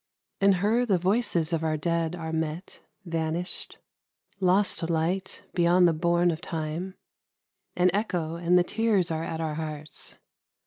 In her the voices of our dead are met, Vanished, lost light, beyond the bourne of Time An echo, and the tears are at our hearts.